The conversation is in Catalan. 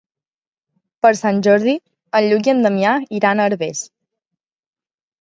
Per Sant Jordi en Lluc i en Damià iran a Herbers.